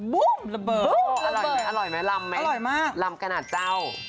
บุ้มระเบิดอร่อยไหมอร่อยมากลำกะหนาเจ้า